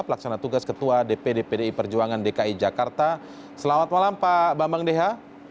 pelaksana tugas ketua dpd pdi perjuangan dki jakarta selamat malam pak bambang deha